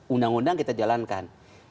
undang undang kita jalankan